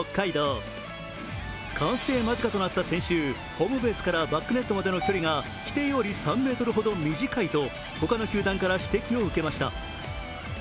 完成間近となった先週、ホームベースからバックネットまでの距離が規定より３ｍほど短いと他の球団から指摘を受けました。